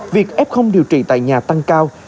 việc f điều trị tại nhà tăng cao